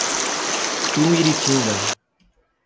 Tumiritinga